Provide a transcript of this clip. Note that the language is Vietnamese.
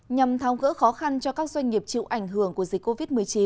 nhằm tháo gỡ khó khăn cho các doanh nghiệp chịu ảnh hưởng của dịch covid một mươi chín